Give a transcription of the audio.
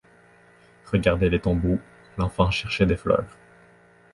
Regardait les tombeaux ; l’enfant cherchait des fleurs.